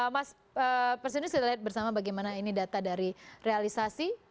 mas persinus kita lihat bersama bagaimana ini data dari realisasi